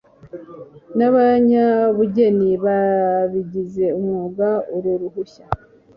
N abanyabugeni babigize umwuga uru ruhushya